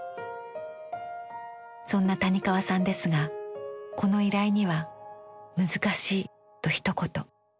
そんな谷川さんですがこの依頼には「難しい」とひと言。